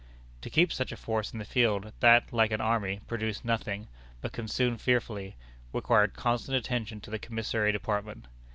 To keep such a force in the field, that, like an army, produced nothing, but consumed fearfully, required constant attention to the commissary department.